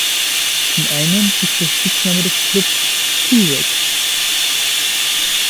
Zum einen ist der Spitzname des Klubs "T-Rex".